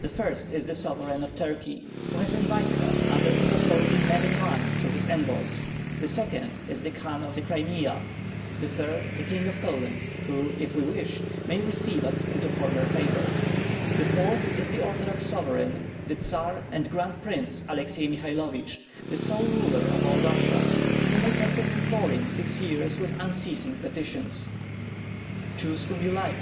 The first is the Sovereign of Turkey, who has invited us under his authority many times through his envoys; the second is the Khan of the Crimea; the third the King of Poland, who, if we wish, may receive us into former favor; the fourth is the Orthodox sovereign, the Tsar and Grand Prince Alexai Mihailovich, the sole ruler of all Russia, whom we have been imploring six years with unceasing petitions. Choose whom you like.